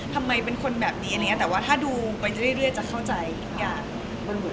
ทำไมเป็นคนแบบนี้แต่ว่าถ้าดูไปเรื่อยจะเข้าใจเยี่ยมอย่างอื่น